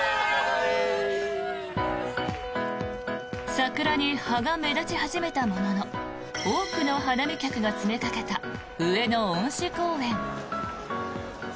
桜に葉が目立ち始めたものの多くの花見客が詰めかけた上野恩賜公園。